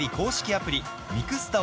アプリ